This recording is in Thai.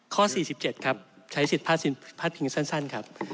ข้อ๔๗ครับใช้ศิษย์ภาษาภิกษ์สั้นครับ